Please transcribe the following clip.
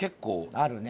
あるね。